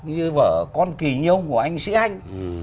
như vở con kỳ nhông của anh sĩ anh